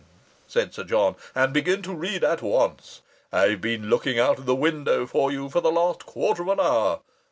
said Sir John. "And begin to read at once. I've been looking out of the window for you for the last quarter of an hour.